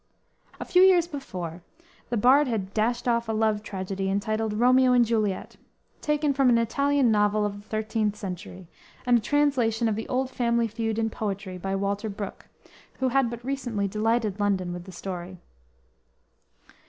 A few years before the Bard had "dashed off" a love tragedy entitled "Romeo and Juliet," taken from an Italian novel of the thirteenth century, and a translation of the old family feud in poetry, by Walter Brooke, who had but recently delighted London with the story.